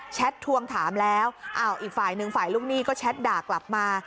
แชททวงถามแล้วอีกฝ่ายนึงฝ่ายลูกนี้ก็แชทด่ากลับมา